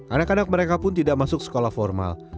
anak anak mereka pun tidak masuk sekolah formal